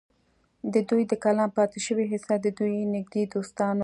د دوي د کلام پاتې شوې حصه د دوي نزدې دوستانو